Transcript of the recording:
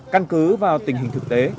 căn cứ vào tình hình thực tế